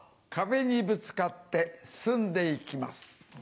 壁にぶつかって進んで行きます。